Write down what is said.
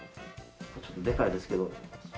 ちょっとでかいですけど。